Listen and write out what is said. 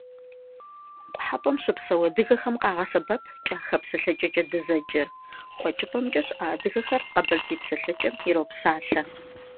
Къухьэпӏэм щыпсэу адыгэхэм къагъэсэбэп кӏахэ псэлъэкӏэкӏэ дызэджэр, къуэкӏыпӏэмкӏэ щыӏэ адыгэхэр къэбэрдей псэлъэкӏэм иропсалъэ.